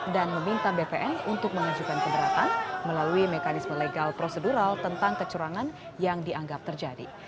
meminta bpn untuk mengajukan keberatan melalui mekanisme legal prosedural tentang kecurangan yang dianggap terjadi